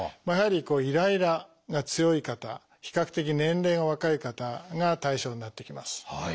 やはりイライラが強い方比較的年齢が若い方が対象になってきます。